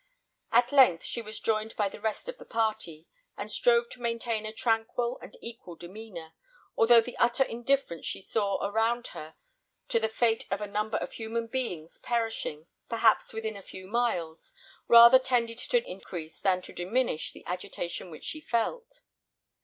At length she was joined by the rest of the party, and strove to maintain a tranquil and equal demeanour, although the utter indifference she saw around her to the fate of a number of human beings perishing, perhaps, within a few miles, rather tended to increase than to diminish the agitation which she felt.